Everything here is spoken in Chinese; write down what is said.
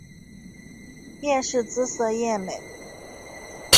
阎氏姿色艳美。